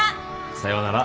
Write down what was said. さようなら。